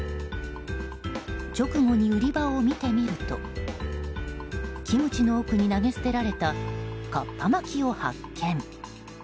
直後に売り場を見てみるとキムチの奥に投げ捨てられたカッパ巻きを発見。